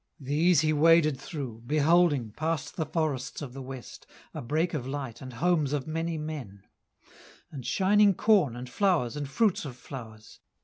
These he waded through, Beholding, past the forests of the West, A break of light and homes of many men, And shining corn, and flowers, and fruits of flowers.